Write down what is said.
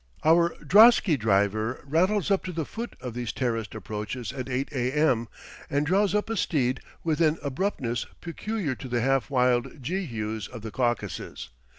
Our drosky driver rattles up to the foot of these terraced approaches at 8 a.m., and draws up a steed with an abruptness peculiar to the half wild Jehus of the Caucasus.